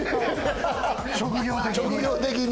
職業的に。